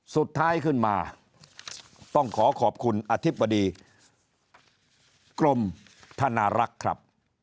สุดท้ายขึ้นมาต้องขอขอบคุณอธิบดีกรมธนารักษ์ครับ